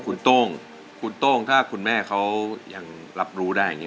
คุณโต้งคุณโต้งถ้าคุณแม่เขายังรับรู้ได้อย่างนี้